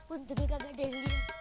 untungnya kagak deli